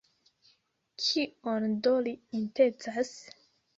Kion do li intencas?